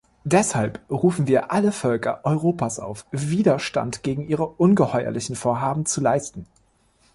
Deshalb rufen wir alle Völker Europas auf, Widerstand gegen Ihre ungeheuerlichen Vorhaben leisten.